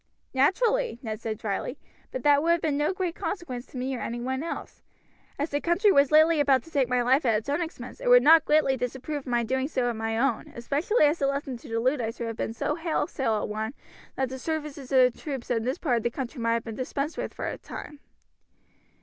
"Naturally," Ned said dryly; "but that would have been of no great consequence to me or any one else. As the country was lately about to take my life at its own expense it would not greatly disapprove of my doing so at my own, especially as the lesson to the Luddites would have been so wholesale a one that the services of the troops in this part of the country might have been dispensed with for some time."